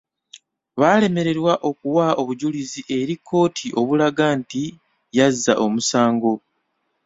Baalemererwa okuwa obujulizi eri kkooti obulaga nti yazza omusango.